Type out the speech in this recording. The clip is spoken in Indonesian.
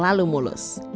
dia selalu mulus